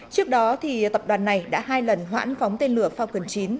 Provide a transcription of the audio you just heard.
trước đó tập đoàn này đã hai lần hoãn phóng tên lửa falcon chín